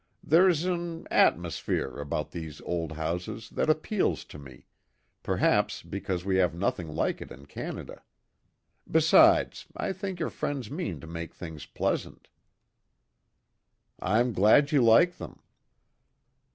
"There's an atmosphere about these old houses that appeals to me, perhaps because we have nothing like it in Canada. Besides, I think your friends mean to make things pleasant." "I'm glad you like them."